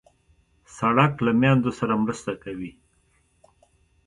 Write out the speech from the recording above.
سړک له میندو سره مرسته کوي.